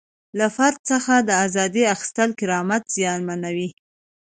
له فرد څخه د ازادۍ اخیستل کرامت زیانمنوي.